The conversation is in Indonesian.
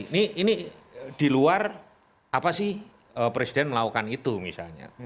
ini di luar apa sih presiden melakukan itu misalnya